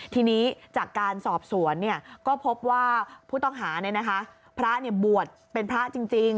ทีนี้จากการสอบสวนก็พบว่าผู้ต้องหาพระบวชเป็นพระจริง